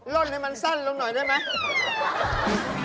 ่นให้มันสั้นลงหน่อยได้ไหม